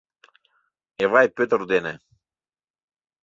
— Эвай Пӧтыр дене!..